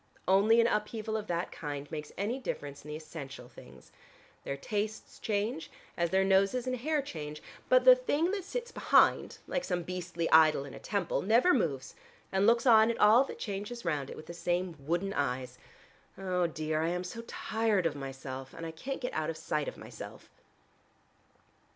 Only an upheaval of that kind makes any difference in the essential things. Their tastes change, as their noses and hair change, but the thing that sits behind like some beastly idol in a temple never moves and looks on at all that changes round it with the same wooden eyes. Oh, dear, I am so tired of myself, and I can't get out of sight of myself."